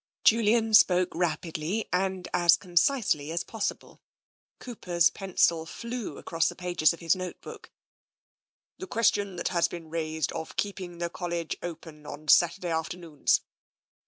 " Julian spoke rapidly, and as concisely as possible. Cooper's pencil flew across the pages of his note book. " The question has been raised of keeping the College open on Saturday afternoons.